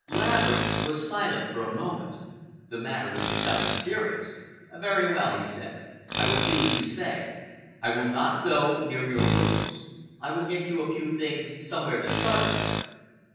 Laverick was silent for a moment. The matter was becoming serious. "Very well," he said, "I will do as you say. I will not go near your rooms. I will get you a few things somewhere to start with."